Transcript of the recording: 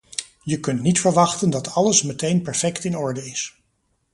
Je kunt niet verwachten dat alles meteen perfect in orde is.